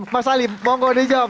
mas ali mohon gue dijawab